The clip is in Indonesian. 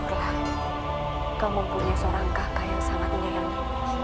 tidak bersyukurlah kamu punya seorang kakak yang sangat menyayangimu